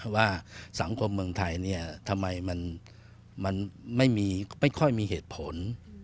ว่าสังคมเมืองไทยทำไมมันไม่ค่อยมีเหตุผล